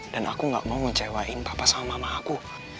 dan aku gak mau mencewain papa sama mama aku